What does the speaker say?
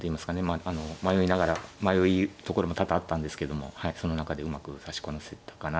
まああの迷いながら迷いところも多々あったんですけどもその中でうまく指しこなせたかなと思います。